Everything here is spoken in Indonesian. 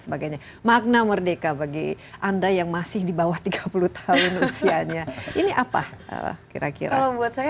sebagainya makna merdeka bagi anda yang masih di bawah tiga puluh tahun usianya ini apa kira kira buat saya